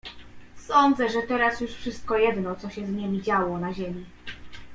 "Sądzę, że teraz już wszystko jedno, co się z niemi działo na ziemi."